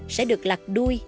sẽ được lặt đuôi